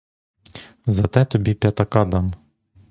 За те тобі п'ятака дам.